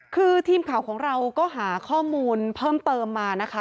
คือทีมข่าวของเราก็หาข้อมูลเพิ่มเติมมานะคะ